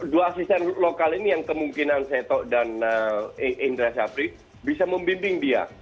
dua asisten lokal ini yang kemungkinan seto dan indra syafri bisa membimbing dia